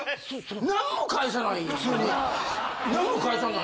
なんも返さない。